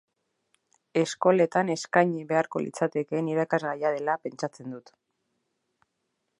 Eskoletan eskaini beharko litzatekeen irakasgaia dela pentsatzen dut.